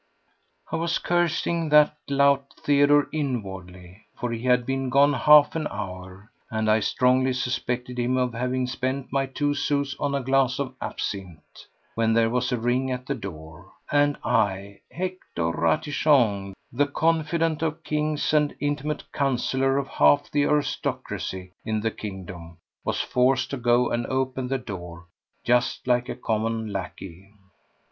I was just cursing that lout Theodore inwardly, for he had been gone half an hour, and I strongly suspected him of having spent my two sous on a glass of absinthe, when there was a ring at the door, and I, Hector Ratichon, the confidant of kings and intimate counsellor of half the aristocracy in the kingdom, was forced to go and open the door just like a common lackey.